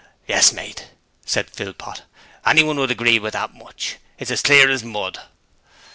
'Yes, mate,' said Philpot. 'Anyone would agree to that much! It's as clear as mud.'